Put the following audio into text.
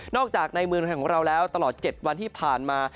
จากในเมืองไทยของเราแล้วตลอด๗วันที่ผ่านมา